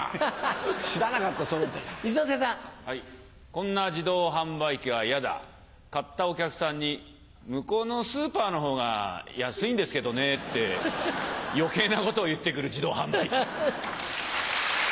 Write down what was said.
こんな自動販売機は嫌だ買ったお客さんに「向こうのスーパーの方が安いんですけどね」って余計なことを言ってくる自動販売機。